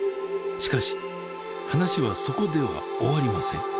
しかし話はそこでは終わりません。